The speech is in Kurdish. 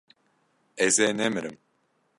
Ez ê nemirim.